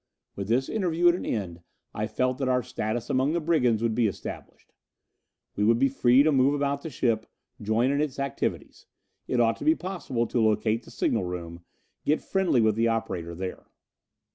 With this interview at an end, I felt that our status among the brigands would be established. We would be free to move about the ship, join in its activities. It ought to be possible to locate the signal room, get friendly with the operator there.